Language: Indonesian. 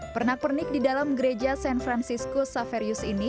pernak pernik di dalam gereja san francisco saferius ini